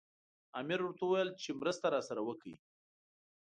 امیر ورته وویل چې مرسته راسره وکړي.